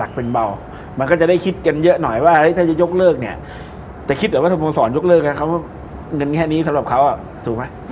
ดักเป็นเบามันก็จะได้คิดกันเยอะหน่อยว่าถ้าจะยกเลิกเนี่ยแต่คิดเหลือว่าถูกพงศรยกเลิกนะเขาก็เงินแค่นี้สำหรับเขาสูงไหม